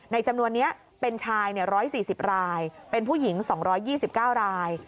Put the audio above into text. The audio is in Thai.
จำนวนนี้เป็นชาย๑๔๐รายเป็นผู้หญิง๒๒๙ราย